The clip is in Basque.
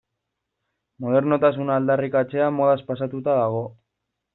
Modernotasuna aldarrikatzea modaz pasatuta dago.